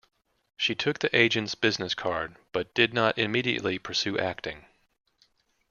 She took the agent's business card but did not immediately pursue acting.